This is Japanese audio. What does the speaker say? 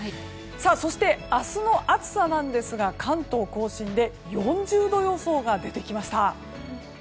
そして明日の暑さですが関東・甲信で４０度予想が出てきました。